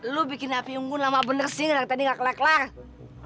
lo bikin hape unggun lama bener sih ngerang tadi gak kelar kelar